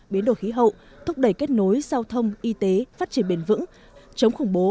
biến đổi khí hậu thúc đẩy kết nối giao thông y tế phát triển bền vững chống khủng bố